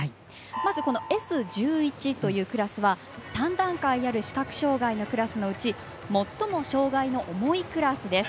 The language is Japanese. まずＳ１１というクラスは３段階ある視覚障がいのクラスのうち最も障がいの重いクラスです。